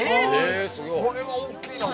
◆すごい、これは大きいな。